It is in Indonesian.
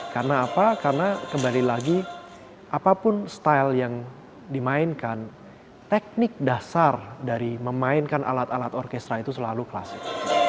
karena apa karena kembali lagi apapun style yang dimainkan teknik dasar dari memainkan alat alat orkestra itu selalu klasik